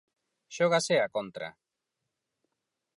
Xógase á contra.